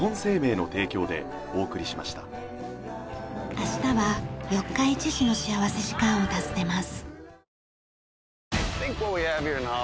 明日は四日市市の幸福時間を訪ねます。